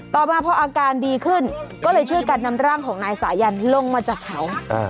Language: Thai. ต่อมาพออาการดีขึ้นก็เลยช่วยกันนำร่างของนายสายันลงมาจากเขา